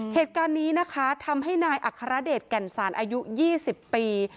เหตุการณ์นี้นะคะทำให้นายอัครเดชแก่นสารอายุ๒๐ปี